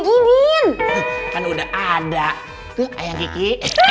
tuh ayang kiki